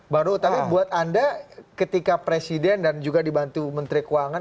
baru tapi buat anda ketika presiden dan juga dibantu menteri keuangan